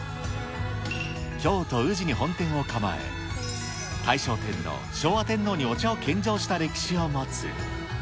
京都・宇治に本店を構え、大正天皇、昭和天皇にお茶を献上した歴史を持つ。